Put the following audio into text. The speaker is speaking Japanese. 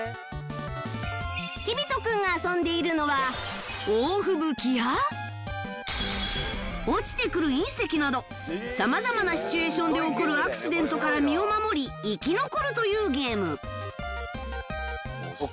ｈｉｂｉｔｏ くんが遊んでいるのは大吹雪や落ちてくる隕石など様々なシチュエーションで起こるアクシデントから身を守り生き残るというゲーム